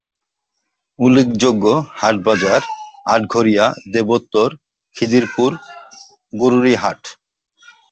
উল্লেখযোগ্য হাটবাজার: আটঘরিয়া, দেবোত্তর, খিদিরপুর, গরুরী হাট।